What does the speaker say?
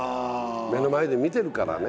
目の前で見てるからね。